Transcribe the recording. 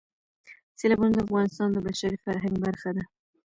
سیلابونه د افغانستان د بشري فرهنګ برخه ده.